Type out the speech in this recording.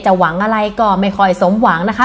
หวังอะไรก็ไม่ค่อยสมหวังนะคะ